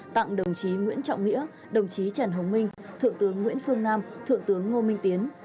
tặng đồng chí nguyễn trọng nghĩa đồng chí trần hồng minh thượng tướng nguyễn phương nam thượng tướng ngô minh tiến